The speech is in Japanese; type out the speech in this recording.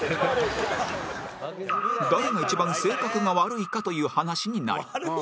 誰が一番性格が悪いかという話になり